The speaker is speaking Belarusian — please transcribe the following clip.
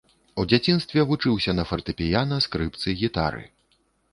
У дзяцінстве вучыўся на фартэпіяна, скрыпцы, гітары.